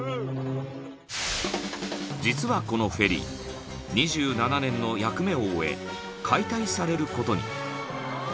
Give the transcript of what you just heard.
［実はこのフェリー２７年の役目を終え解体されることに］